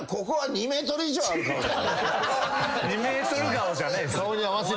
２ｍ顔じゃねえっす。